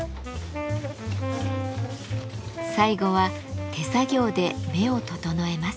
最後は手作業で目を整えます。